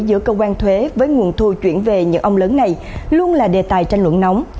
câu chuyện trượt đuổi giữa cơ quan thuế với nguồn thu chuyển về những ông lớn này luôn là đề tài tranh luận nóng